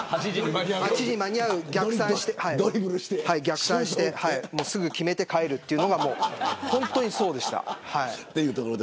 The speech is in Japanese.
８時に間に合うように逆算してすぐに決めて帰るというのが本当にそうでした。